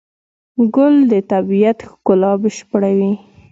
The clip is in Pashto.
ګل د طبیعت ښکلا بشپړوي.